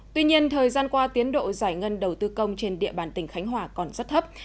tuy nhiên thời gian qua tiến độ giải ngân đầu tư công trên địa bàn tỉnh khánh hòa còn rất thấp